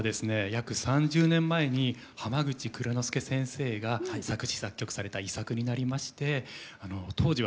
約３０年前に浜口庫之助先生が作詞作曲された遺作になりまして当時はですね